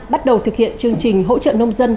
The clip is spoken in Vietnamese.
bắt đầu thực hiện chương trình hỗ trợ nông dân